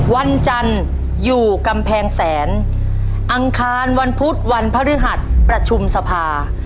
วันจันทร์อยู่กำแพงแสนอังคารวันพุธวันพฤหัสประชุมสภา